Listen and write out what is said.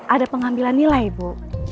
ada pengambilan nilai bu